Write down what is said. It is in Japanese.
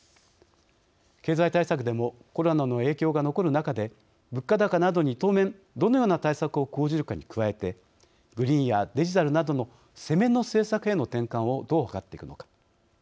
経済対策でもコロナの影響が残る中で物価高などに当面どのような対策を講じるかに加えてグリーンやデジタルなどの攻めの政策への転換をどう図っていくのか。